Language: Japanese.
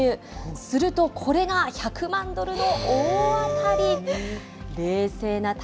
するとこれが、１００万ドルの大当たり。